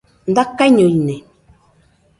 Dakaiño ine